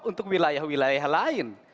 untuk wilayah wilayah lain